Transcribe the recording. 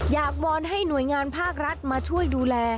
วอนให้หน่วยงานภาครัฐมาช่วยดูแล